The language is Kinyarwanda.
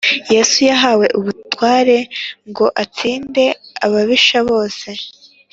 Yesu yahawe ubutware ngo atsinde ababisha bose